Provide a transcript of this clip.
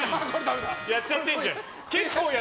やっちゃってんじゃん。